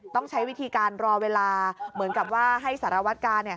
ต้องใช้วิธีการรอเวลาเหมือนกับว่าให้สารวัตกา